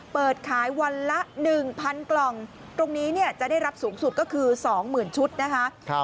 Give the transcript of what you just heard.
เปิดขายวันละ๑๐๐กล่องตรงนี้จะได้รับสูงสุดก็คือ๒๐๐๐ชุดนะคะ